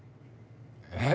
えっ？